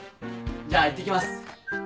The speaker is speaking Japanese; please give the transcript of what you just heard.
じゃあいってきます。